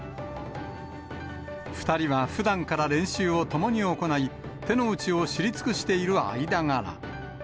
２人はふだんから練習を共に行い、手の内を知り尽くしている間柄。